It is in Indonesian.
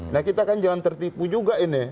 nah kita kan jangan tertipu juga ini